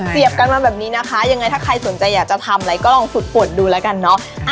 กันมาแบบนี้นะคะยังไงถ้าใครสนใจอยากจะทำอะไรก็ลองฝึกฝนดูแล้วกันเนาะ